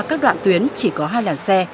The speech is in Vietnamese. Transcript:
các đoạn tuyến chỉ có hai làn xe